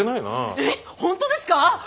えっ本当ですか！？